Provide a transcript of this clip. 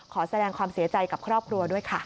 ขอแสดงความเสียใจกับครอบครัวด้วยค่ะ